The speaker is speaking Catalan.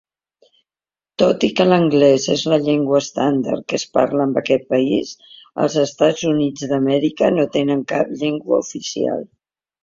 Tot i que l'anglès és la llengua estàndard que es parla en aquest país, Els Estats Units d'Amèrica no tenen cap llengua oficial.